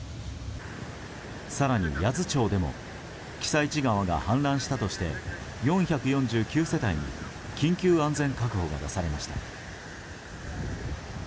更に八頭町でも私都川が氾濫したとして４４９世帯に緊急安全確保が出されました。